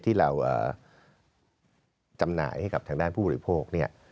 ที่เราจำหน่ายให้กับทางด้านผู้บริโภคเนี่ย